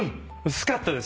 薄かったです。